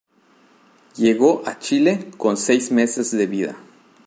Llegó a Chile con seis meses de vida.